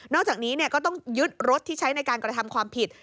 อกจากนี้ก็ต้องยึดรถที่ใช้ในการกระทำความผิด